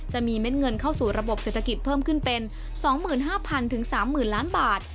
เม็ดเงินเข้าสู่ระบบเศรษฐกิจเพิ่มขึ้นเป็น๒๕๐๐๐๓๐๐ล้านบาท